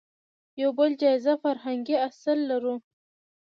يو بل جايز فرهنګي اصل لرو